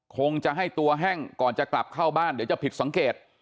คงจะให้ตัวแห้งก่อนจะกลับเข้าบ้านเดี๋ยวจะผิดสังเกต